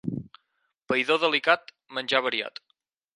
Païdor delicat, menjar variat.